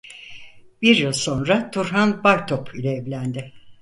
Bir yıl sonra Turhan Baytop ile evlendi.